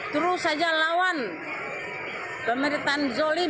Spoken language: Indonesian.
terus saja lawan pemerintahan zolim